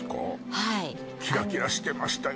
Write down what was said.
はいあのキラキラしてましたよ